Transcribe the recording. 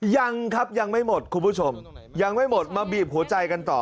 ยังครับยังไม่หมดคุณผู้ชมยังไม่หมดมาบีบหัวใจกันต่อ